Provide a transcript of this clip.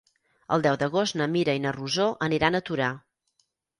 El deu d'agost na Mira i na Rosó aniran a Torà.